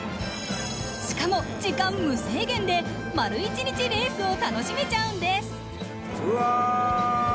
しかも時間無制限で、丸一日レースを楽しめちゃうんです。